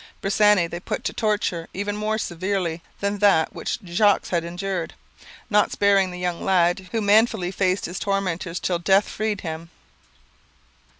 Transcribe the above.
Bressani they put to torture even more severe than that which Jogues had endured; not sparing the young lad, who manfully faced his tormentors till death freed him.